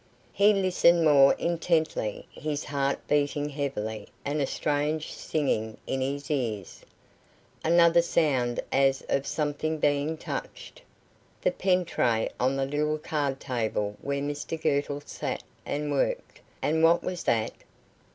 He listened more intently, his heart beating heavily, and a strange singing in his ears. Another sound as of something being touched. The pen tray on the little card table where Mr Girtle sat and worked; and what was that?